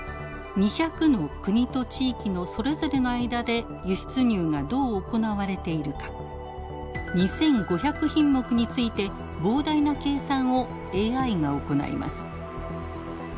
２００の国と地域のそれぞれの間で輸出入がどう行われているか２，５００品目について膨大な計算をＡＩが行います。